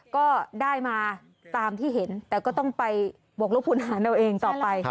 ก็ได้มาตามที่เห็นแต่ก็ต้องไปบวกลูกคุณหารเอาเองต่อไป